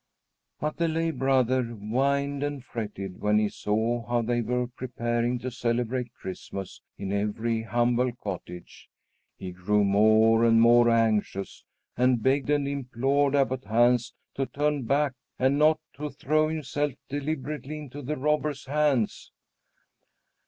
But the lay brother whined and fretted when he saw how they were preparing to celebrate Christmas in every humble cottage. He grew more and more anxious, and begged and implored Abbot Hans to turn back and not to throw himself deliberately into the robber's hands.